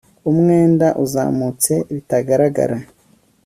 umwenda uzamutse bitagaragara